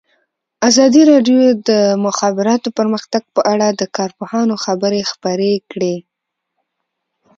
ازادي راډیو د د مخابراتو پرمختګ په اړه د کارپوهانو خبرې خپرې کړي.